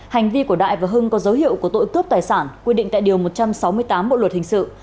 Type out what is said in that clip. hành vi của đại và hưng có dấu hiệu của tội cướp tài sản quy định tại điều một trăm sáu mươi tám bộ luật hình sự